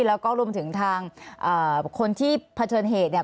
แล้วก็รวมถึงทางคนที่เผชิญเหตุเนี่ย